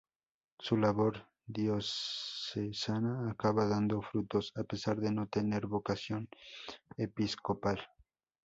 Su labor diocesana acaba dando frutos, a pesar de no tener vocación episcopal.